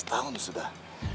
enam belas tahun sudah